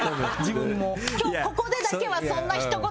今日はここでだけはそんな一言